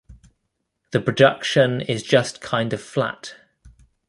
The production is just kind of flat.